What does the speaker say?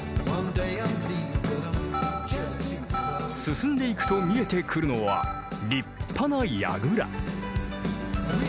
進んでいくと見えてくるのは立派な櫓。